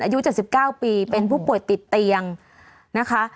อายุ๗๙ปีเป็นผู้ป่วยติดเตียงนะคะ